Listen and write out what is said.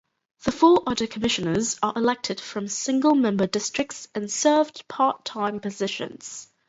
The four other commissioners are elected from single-member districts and serve part-time positions.